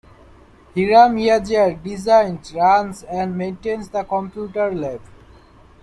Hiram Yeager designed, runs, and maintains the computer lab.